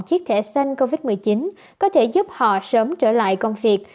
chiếc thẻ xanh covid một mươi chín có thể giúp họ sớm trở lại công việc